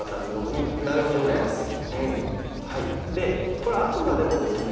これあくまでもですね